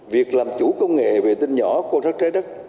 việc làm chủ công nghệ vệ tinh nhỏ của các trái đất